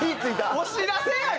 お知らせやん！